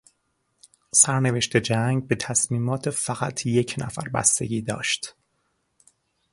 سرنوشت جنگ به تصمیمات فقط یک نفر بستگی داشت.